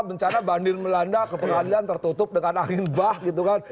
bencana bandir melanda ke pengadilan tertutup dengan angin bah gitu kan